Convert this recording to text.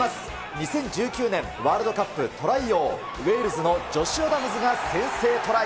２０１９年ワールドカップトライ王、ウェールズのジョシュ・アダムズが先制トライ。